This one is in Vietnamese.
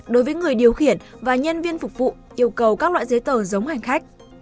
đối với người điều khiển và nhân viên phục vụ yêu cầu các loại giấy tờ giống hành khách